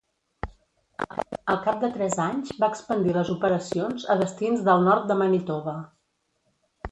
Al cap de tres anys va expandir les operacions a destins del nord de Manitoba.